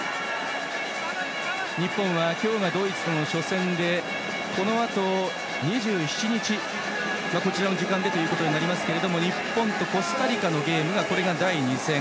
日本は今日がドイツと初戦でこのあと、２７日こちらの時間でとなりますが日本とコスタリカのゲームが第２戦。